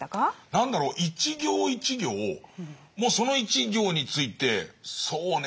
何だろう一行一行もうその一行についてそうね